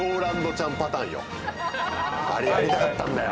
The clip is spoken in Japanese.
あれやりたかったんだよ。